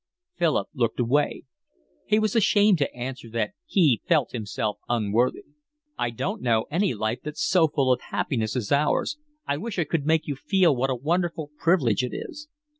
Philip looked away. He was ashamed to answer that he felt himself unworthy. "I don't know any life that's so full of happiness as ours. I wish I could make you feel what a wonderful privilege it is.